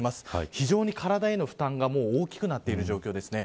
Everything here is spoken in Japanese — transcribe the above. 非常に体への負担が大きくなっている状況です。